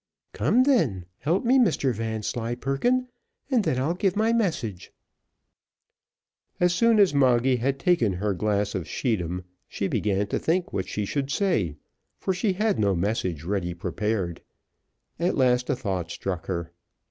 "Come, then, help me, Mr Vanslyperken, and then I'll give my message." As soon as Moggy had taken her glass of scheedam, she began to think what she should say, for she had no message ready prepared; at last a thought struck her.